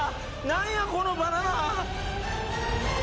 何やこのバナナ！